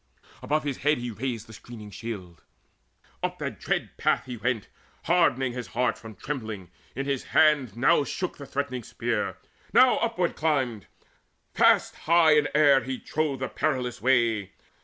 Above his head he raised The screening shield; up that dread path he went Hardening his heart from trembling, in his hand Now shook the threatening spear, now upward climbed Fast high in air he trod the perilous way.